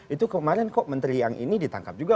itu kemarin kok menteri yang ini ditangkap juga